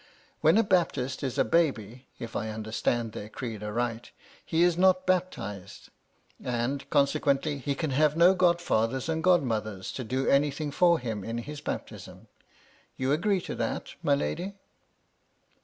" When a Baptist is a baby, if I understand their creed aright, he is not baptized ; and, consequently, he can have no godfathers and god mothers to do anything for him in his baptism ; you agree to that, my lady